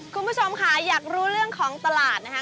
คุณผู้ชมค่ะอยากรู้เรื่องของตลาดนะคะ